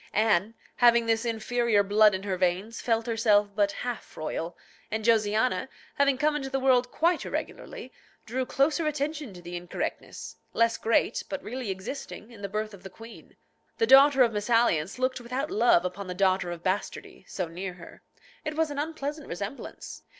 Anne, having this inferior blood in her veins, felt herself but half royal, and Josiana, having come into the world quite irregularly, drew closer attention to the incorrectness, less great, but really existing, in the birth of the queen. The daughter of mésalliance looked without love upon the daughter of bastardy, so near her. It was an unpleasant resemblance.